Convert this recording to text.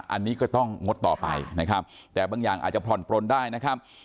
อันนี้ก็ต้องงดต่อไปนะครับแต่บางอย่างอาจจะผ่อนปลนได้นะครับ